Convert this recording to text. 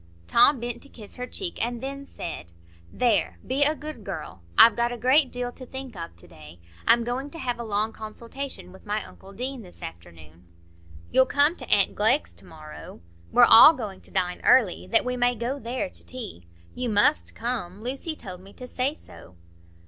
Tom bent to kiss her cheek, and then said,— "There! Be a good girl. I've got a great deal to think of to day. I'm going to have a long consultation with my uncle Deane this afternoon." "You'll come to aunt Glegg's to morrow? We're going all to dine early, that we may go there to tea. You must come; Lucy told me to say so."